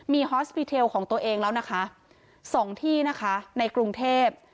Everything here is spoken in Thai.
มีฮอสปีเทลของตัวเองแล้วนะคะสองที่นะคะในกรุงเทพ